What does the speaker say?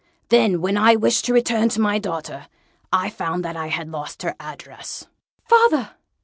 Then, when I wished to return to my daughter, I found that I had lost her address." "Father!"